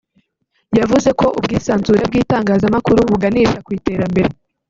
yavuze ko ubwisanzure bw’itangazamakuru buganisha ku Iterambere